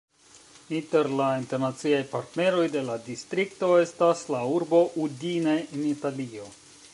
Inter la internaciaj partneroj de la distrikto estas la urbo Udine en Italio.